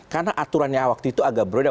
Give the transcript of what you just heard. karena aturannya waktu itu agak berbeda